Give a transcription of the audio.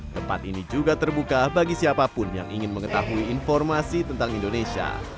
tempat ini juga terbuka bagi siapapun yang ingin mengetahui informasi tentang indonesia